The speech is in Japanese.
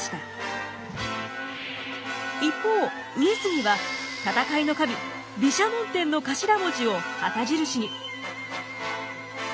一方上杉は戦いの神毘沙門天の頭文字を旗印に。